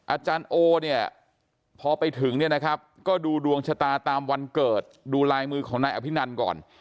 อาจารย์โอเนี่ยพอไปถึงเนี่ยนะครับก็ดูดวงชะตาตามวันเกิดดูลายมือของนายอภินันก่อน